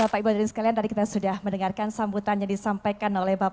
baik bapak ibu dan ibu sekalian tadi kita sudah mendengarkan sambutannya disampaikan oleh bapak erlend